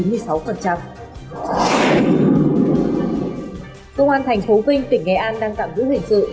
công an thành phố vinh tỉnh nghệ an đang tạm giữ hình sự